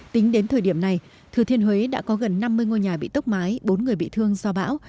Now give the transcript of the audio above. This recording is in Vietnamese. tính đến thời điểm này thừa thiên huế đã có gần năm mươi ngôi nhà bị tốc mái bốn người bị thương do bão